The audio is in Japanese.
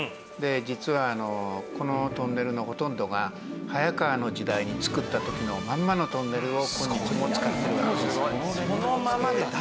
で実はこのトンネルのほとんどが早川の時代につくった時のまんまのトンネルを今日も使っております。